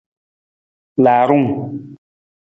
Laarung.